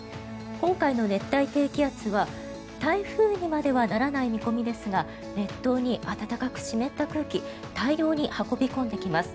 今回の熱帯低気圧は台風にまではならない見込みですが列島に暖かく湿った空気を大量に運び込んできます。